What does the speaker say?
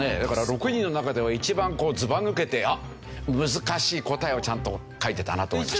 だから６人の中では一番ずば抜けてあっ難しい答えをちゃんと書いてたなと。